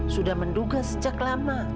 sudah menduga sejak lama